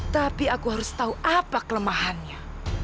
tapi aku harus tahu apa kelemahannya